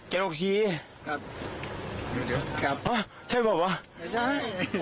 เจรกชีครับใช่หรือเปล่าวะไม่ใช่